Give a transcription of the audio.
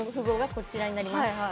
こちらになります。